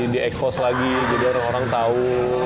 di expose lagi jadi orang dua tau